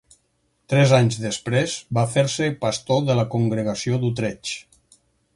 Tres anys després va fer-se pastor de la congregació d'Utrecht.